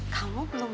kamu belum malem